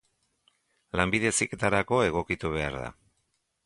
Lanbide Heziketarako egokitu behar da.